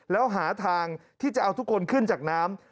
แล้วหาทางที่จะเอาทุกคนขึ้นจากน้ำ